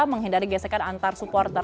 menghindari gesekan antar supporter